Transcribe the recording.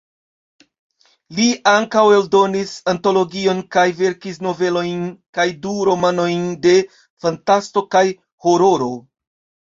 Li ankaŭ eldonis antologion kaj verkis novelojn kaj du romanojn de fantasto kaj hororo.